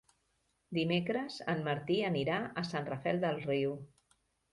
Dimecres en Martí anirà a Sant Rafel del Riu.